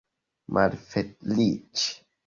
malfeliĉe